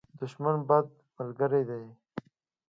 دښمن، بد ملګری دی.